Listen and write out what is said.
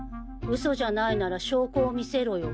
嘘じゃないなら証拠を見せろよ。